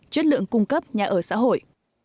chất lượng cung cấp nhà ở xã hội